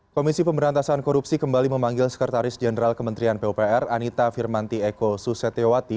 komisi pemberantasan korupsi kembali memanggil sekretaris jenderal kementerian pupr anita firmanti eko susetewati